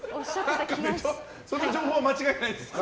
その情報は間違いないですか？